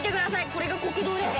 これが酷道です！